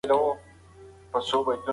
صله رحمي د خپلوانو ترمنځ مینه زیاتوي.